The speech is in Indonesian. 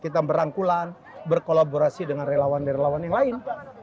kita berangkulan berkolaborasi dengan relawan relawan yang lain